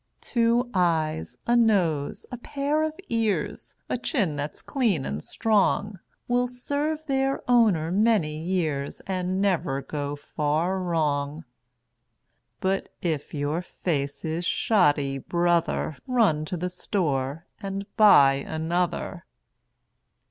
Two eyes, a nose, a pair of ears, A chin that's clean and strong Will serve their owner many years And never go far wrong. But if your face is shoddy, Brother, Run to the store and buy another!